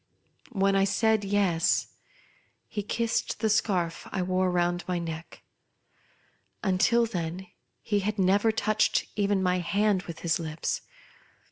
When I said " Yes," he kissed the scarf I wore round my neck. Until then he had never touched even my hand with his lips.